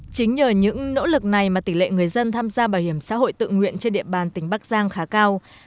chính nhờ những nỗ lực này mà tỷ lệ người dân tham gia bảo hiểm xã hội tự nguyện trên địa bàn tỉnh bắc giang khá cao